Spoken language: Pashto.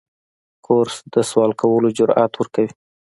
کورس د سوال کولو جرأت ورکوي.